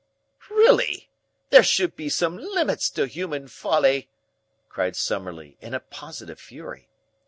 "Really, there should be some limits to human folly!" cried Summerlee in a positive fury.